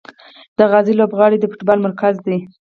د غازي لوبغالی د فوټبال مرکز دی.